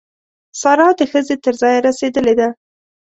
سارا د ښځې تر ځایه رسېدلې ده.